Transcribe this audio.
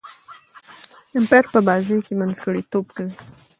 امپایر په بازي کښي منځګړیتوب کوي.